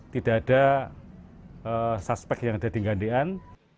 tidak ada suspek yang ada di gandean